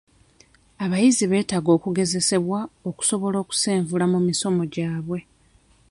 Abayizi beetaaga okugezesebwa okusobola okusenvula mu misomo gyabwe.